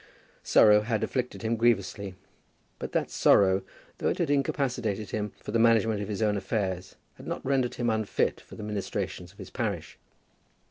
Sorrow had afflicted him grievously; but that sorrow, though it had incapacitated him for the management of his own affairs, had not rendered him unfit for the ministrations of his parish.